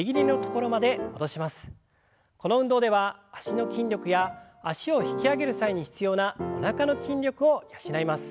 この運動では脚の筋力や脚を引き上げる際に必要なおなかの筋力を養います。